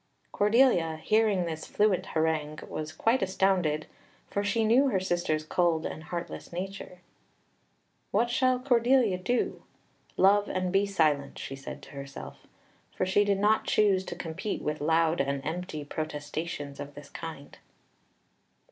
Cordelia, hearing this fluent harangue, was quite astounded, for she knew her sister's cold and heartless nature. "What shall Cordelia do? Love and be silent," she said to herself, for she did not choose to compete with loud and empty protestations of this kind.